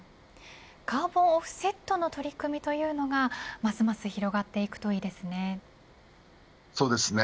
カーボンオフセットの取り組みというのがますます広がっていくといいですね。